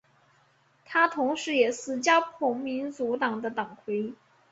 他同时也是加蓬民主党的党魁。